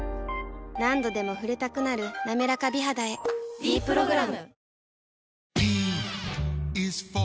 何度でも触れたくなる「なめらか美肌」へ「ｄプログラム」